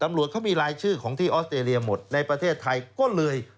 ตำรวจเขามีรายชื่อของที่ออสเตรเลียหมดในประเทศไทยก็เลย